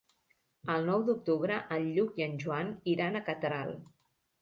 El nou d'octubre en Lluc i en Joan iran a Catral.